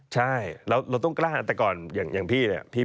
ใช่แล้วเราต้องกล้าแต่ก่อนอย่างพี่เนี่ย